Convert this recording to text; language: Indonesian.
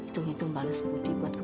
terima kasih sita